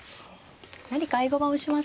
何か合駒をしますと。